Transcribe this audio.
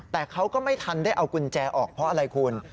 แต่เขาก็ไม่ทันได้เอากุญแจออกเพราะอะไรคุณ